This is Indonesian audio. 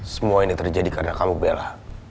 semua ini terjadi karena kamu bela